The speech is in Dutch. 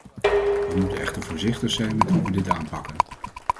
We moeten echter voorzichtig zijn met hoe we dit aanpakken.